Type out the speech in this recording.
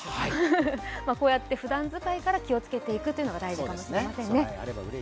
こうやって普段使いから気をつけていくのが大事かもしれませんね。